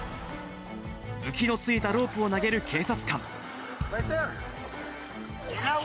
浮きのついたロープを投げる警察官。